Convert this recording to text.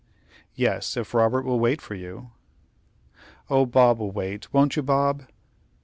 "Yes; if Robert will wait for you." "Oh, Bob will wait; won't you, Bob?"